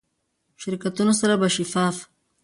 شرکتونو سره به شفاف،